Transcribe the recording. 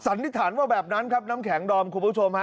สันนิษฐานว่าแบบนั้นครับน้ำแข็งดอมคุณผู้ชมฮะ